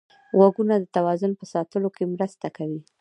غوږونه د توازن په ساتلو کې مرسته کوي